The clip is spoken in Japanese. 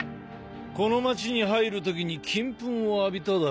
この街に入るときに金粉を浴びただろう？